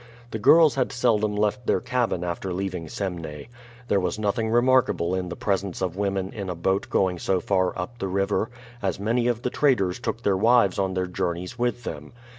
The girls had seldom left their cabin after leaving Semneh. There was nothing remarkable in the presence of women in a boat going so far up the river, as many of the traders took their wives on their journeys with them.